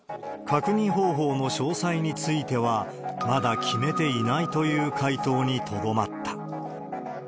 確認方法の詳細については、まだ決めていないという回答にとどまった。